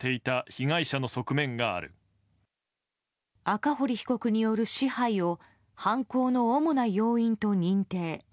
赤堀被告による支配を犯行の主な要因と認定。